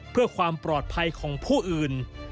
เพื่อความปลอดภัยของผู้อื่น